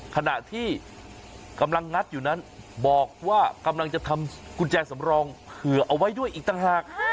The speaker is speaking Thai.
ขณะที่กำลังงัดอยู่นั้นบอกว่ากำลังจะทำกุญแจสำรองเผื่อเอาไว้ด้วยอีกต่างหาก